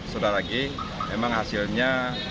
sodara g memang hasilnya